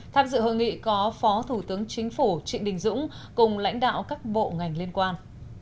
tham dự hội nghị có phó thủ tướng chính phủ trịnh đình dũng cùng lãnh đạo các bộ ngành liên quan